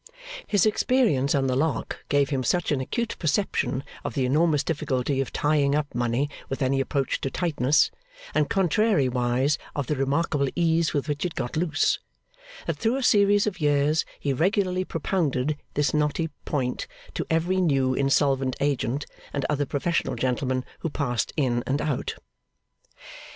His experience on the lock gave him such an acute perception of the enormous difficulty of 'tying up' money with any approach to tightness, and contrariwise of the remarkable ease with which it got loose, that through a series of years he regularly propounded this knotty point to every new insolvent agent and other professional gentleman who passed in and out.